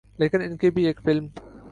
لیکن ان کی بھی ایک فلم